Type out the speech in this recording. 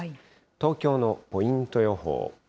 東京のポイント予報。